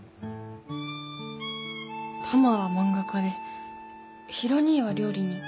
タマは漫画家でヒロ兄は料理人。